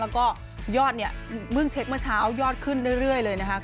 แล้วก็ยอดเนี่ยเพิ่งเช็คเมื่อเช้ายอดขึ้นเรื่อยเลยนะคะ